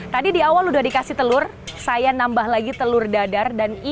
tadi di awal udah dikasih telur saya nambah lagi telur dadar